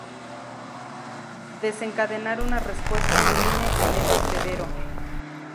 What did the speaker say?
Desencadenar una respuesta inmune en el hospedero.